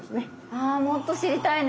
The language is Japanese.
あもっと知りたいね。